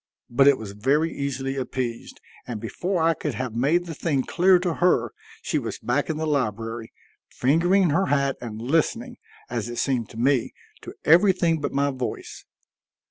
But it was very easily appeased, and before I could have made the thing clear to her she was back in the library, fingering her hat and listening, as it seemed to me, to everything but my voice.